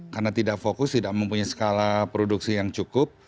karena tidak fokus tidak mempunyai skala produksi yang cukup